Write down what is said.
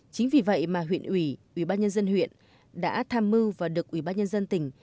chính vì vậy mà huyện ủy ủy ban nhân dân huyện đã tham mưu và được ủy ban nhân dân tỉnh